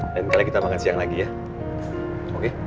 dan kali kita makan siang lagi ya oke